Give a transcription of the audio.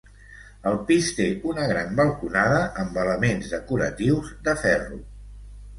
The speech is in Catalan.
El pis té una gran balconada amb elements decoratius de ferro.